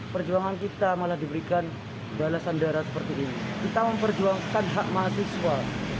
perjuangan kita malah diberikan balasan darah seperti ini kita memperjuangkan hak mahasiswa